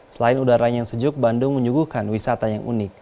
selain udaranya yang sejuk bandung menyuguhkan wisata yang unik